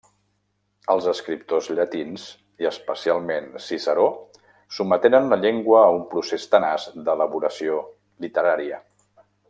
Els escriptors llatins, i especialment Ciceró, sotmeteren la llengua a un procés tenaç d'elaboració literària.